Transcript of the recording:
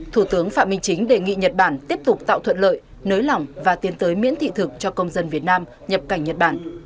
thủ tướng phạm minh chính đề nghị nhật bản tiếp tục tạo thuận lợi nới lỏng và tiến tới miễn thị thực cho công dân việt nam nhập cảnh nhật bản